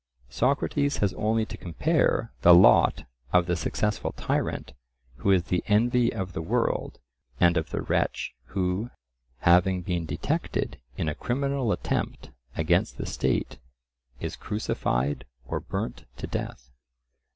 Socrates has only to compare the lot of the successful tyrant who is the envy of the world, and of the wretch who, having been detected in a criminal attempt against the state, is crucified or burnt to death.